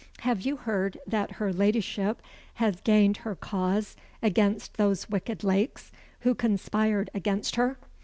Have you heard that her ladyship has gained her cause against those wicked Lakes, who conspired against her?